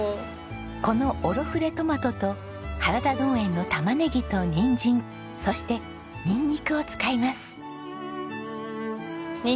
このオロフレトマトと原田農園のタマネギとニンジンそしてニンニクを使います。